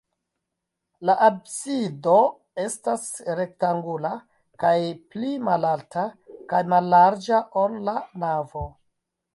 La absido estas rektangula kaj pli malalta kaj mallarĝa, ol la navo.